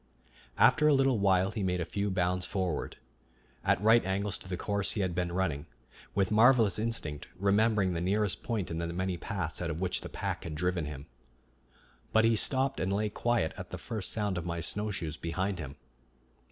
After a little while he made a few bounds forward, at right angles to the course he had been running, with marvelous instinct remembering the nearest point in the many paths out of which the pack had driven him. But he stopped and lay quiet at the first sound of my snowshoes behind him.